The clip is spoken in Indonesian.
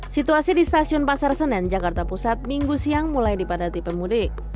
situasi di stasiun pasar senen jakarta pusat minggu siang mulai dipadati pemudik